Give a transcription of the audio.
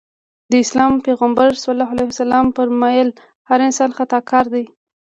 د اسلام پيغمبر ص وفرمایل هر انسان خطاکار دی.